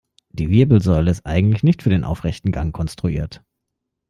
Die Wirbelsäule ist eigentlich nicht für den aufrechten Gang konstruiert.